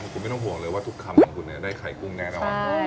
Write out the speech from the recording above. คุณไม่ต้องห่วงเลยว่าทุกคำของคุณได้ไข่กุ้งแน่นอน